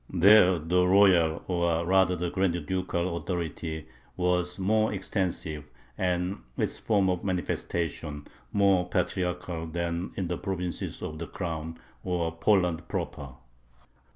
There the royal, or rather the grand ducal, authority was more extensive and its form of manifestation more patriarchal than in the provinces of the Crown, or Poland proper.